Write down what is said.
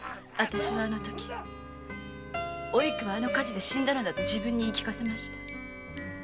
あたしはあのとき「おいく」はあの火事で死んだのだと自分に言い聞かせました。